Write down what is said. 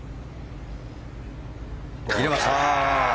入れました。